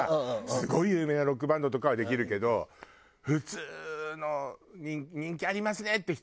すごい有名なロックバンドとかはできるけど普通の人気ありますねって人でもいっぱいにするの。